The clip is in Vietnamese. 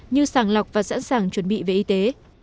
như sàng lọc và sẵn sàng chuẩn bị về y tế